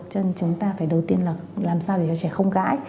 chân chúng ta phải đầu tiên là làm sao để cho trẻ không gãi